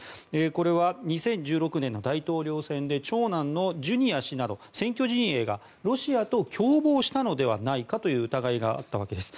これは２０１６年の大統領選挙で長男のジュニア氏など選挙陣営がロシアと共謀したのではないかという疑いがあったわけです。